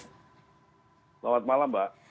selamat malam mbak